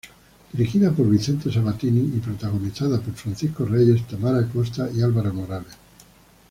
Dirigida por Vicente Sabatini y protagonizada por Francisco Reyes, Tamara Acosta y Álvaro Morales.